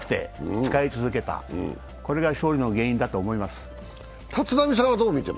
使い続けた、これが勝利の原因だと思います。